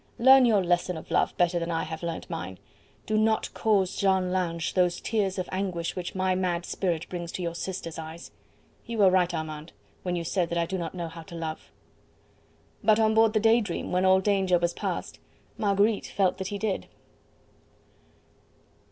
Learn your lesson of love better than I have learnt mine; do not cause Jeanne Lange those tears of anguish which my mad spirit brings to your sister's eyes. You were right, Armand, when you said that I do not know how to love!" But on board the Day Dream, when all danger was past, Marguerite felt that he did.